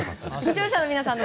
視聴者の皆さん